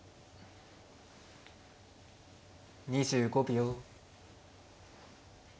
２５秒。